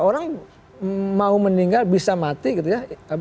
orang mau meninggal bisa mati gitu ya